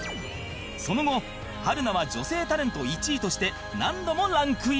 その後春菜は女性タレント１位として何度もランクイン